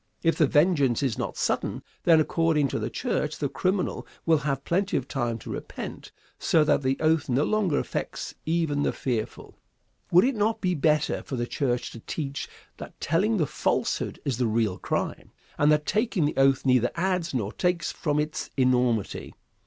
If the vengeance is not sudden, then, according to the church, the criminal will have plenty of time to repent; so that the oath no longer affects even the fearful. Would it not be better for the church to teach that telling the falsehood is the real crime, and that taking the oath neither adds to nor takes from its enormity?